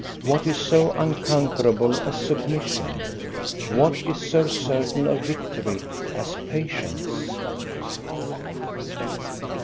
What is so unconquerable as submission? What is so certain of victory as patience?